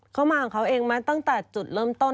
เข้ามาของเขาเองมาตั้งแต่จุดเริ่มต้น